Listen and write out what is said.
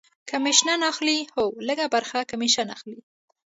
کمیشن اخلي؟ هو، لږ ه برخه کمیشن اخلی